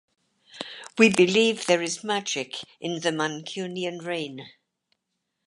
We believe there is magic in the Mancunian rain.